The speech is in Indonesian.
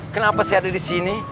kenapa saya ada di sini